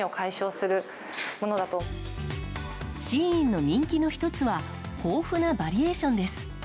ＳＨＥＩＮの人気の１つは豊富なバリエーションです。